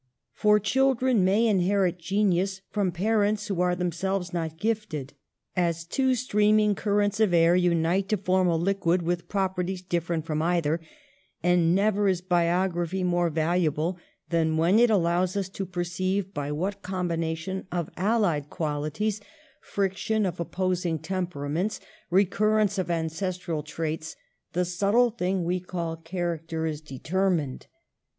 For children may inherit genius from parents who are themselves not gifted, as two streaming currents of air unite to form a liquid with prop erties different from either ; and never is biog raphy more valuable than when it allows us to perceive by what combination of allied quali PARENTAGE. \\ ties, friction of opposing temperaments, recur rence of ancestral traits, the subtle thing we call character is determined.